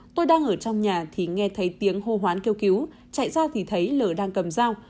tôi đang ở trong nhà thì nghe thấy tiếng hô hoán kêu cứu chạy ra thì thấy lờ đang cầm dao